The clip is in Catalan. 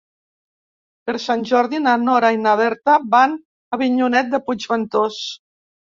Per Sant Jordi na Nora i na Berta van a Avinyonet de Puigventós.